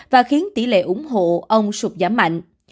và khiến tỷ lệ ủng hộ ông sụp giảm mạnh